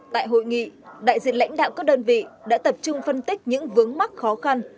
tại hội nghị đại diện lãnh đạo các đơn vị đã tập trung phân tích những vướng mắc khó khăn